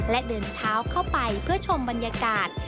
และเดินเท้าเข้าไปเพื่อชมบรรยากาศ